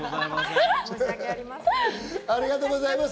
ありがとうございます。